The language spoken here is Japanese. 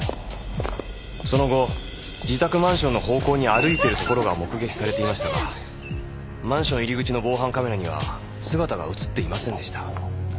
その後自宅マンションの方向に歩いているところが目撃されていましたがマンション入り口の防犯カメラには姿が映っていませんでした。